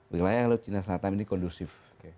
wilayah laut cina selatan ini kondusif